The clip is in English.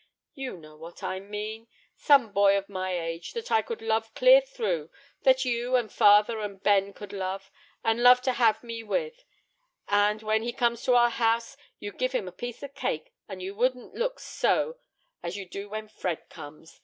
"You know what I mean; some boy of my age, that I could love clear through; that you, and father, and Ben could love, and love to have me with; and, when he come to our house, you'd give him a piece of cake, and wouldn't look so, as you do when Fred comes.